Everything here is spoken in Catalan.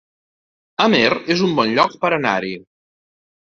Amer es un bon lloc per anar-hi